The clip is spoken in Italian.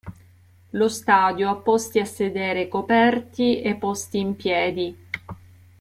Lo stadio ha posti a sedere coperti e posti in piedi.